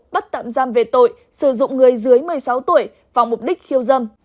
bắt tạm giam về tội sử dụng người dưới một mươi sáu tuổi vào mục đích khiêu dâm